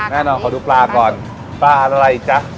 แม่นอนขอดูปลาก่อนปลาระอะไรอีกจ๊ะ